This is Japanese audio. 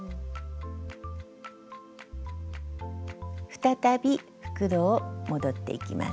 再び復路を戻っていきます。